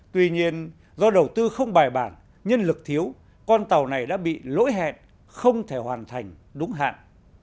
tuy nhiên do đầu tư không bài bản nhân lực thiếu con tàu này đã bị lỗi hẹn không thể hoàn thành đúng hạn